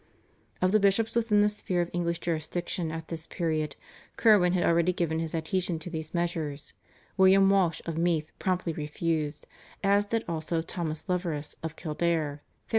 Of the bishops within the sphere of English jurisdiction at this period Curwen had already given his adhesion to these measures, William Walsh of Meath promptly refused, as did also Thomas Leverous of Kildare (Feb.